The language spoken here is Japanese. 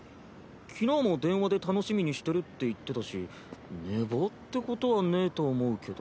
昨日も電話で楽しみにしてるって言ってたし寝坊ってことはねぇと思うけど。